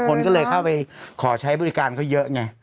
คนก็เลยเข้าไปขอใช้บริการเขาเยอะไง